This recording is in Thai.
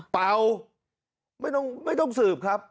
เป่าไม่ต้องสืบครับ